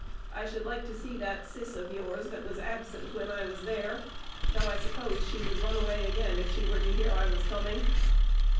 I should like to see that "sis" of yours that was absent when I was there, though I suppose she would run away again, if she were to hear I was coming.